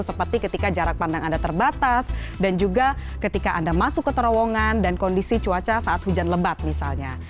seperti ketika jarak pandang anda terbatas dan juga ketika anda masuk ke terowongan dan kondisi cuaca saat hujan lebat misalnya